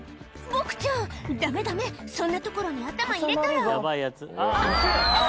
ボクちゃんダメダメそんな所に頭入れたらあ！